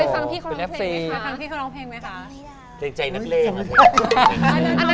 เคยคลังพี่เค้าลองเพลงมั้ยคะ